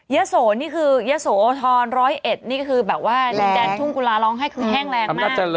เยษโหนี่คือเยษโหโทร๑๐๑นี่คือแบบว่าแดนทุ้งกุฬาร้องให้คือแห้งแรงมาก